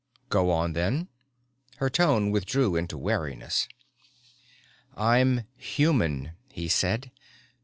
"Go on then." Her tone withdrew into wariness. "I'm human," he said.